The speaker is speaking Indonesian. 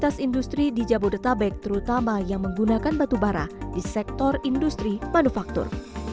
kualitas industri di jabodetabek terutama yang menggunakan batubara di sektor industri manufaktur